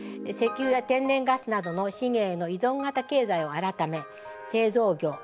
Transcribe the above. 石油や天然ガスなどの資源への依存型経済を改め製造業